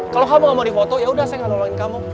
kalau kamu gak mau di foto yaudah saya gak nolongin kamu